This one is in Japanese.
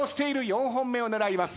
４本目を狙います。